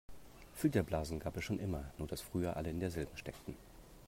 Filterblasen gab es schon immer, nur das früher alle in der selben steckten.